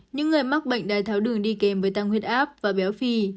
những người mắc bệnh đai tháo đường đi kèm với tăng huyết áp và béo phì